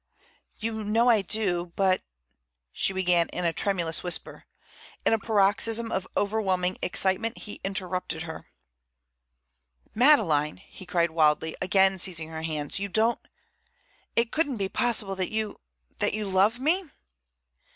"You know I do, but—" she began in a tremulous whisper. In a paroxysm of overwhelming excitement he interrupted her. "Madeleine," he cried wildly, again seizing her hands, "you don't—it couldn't be possible that you—that you love me?"